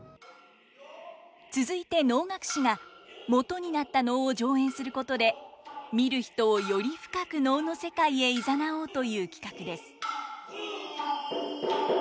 続いて能楽師がもとになった能を上演することで見る人をより深く能の世界へ誘おうという企画です。